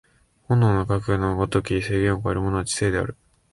本能のかくの如き制限を超えるものは知性である。